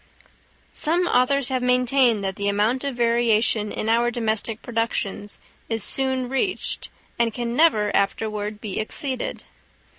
Some authors have maintained that the amount of variation in our domestic productions is soon reached, and can never afterward be exceeded.